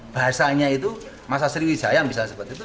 bahasanya itu masa sriwijaya yang bisa seperti itu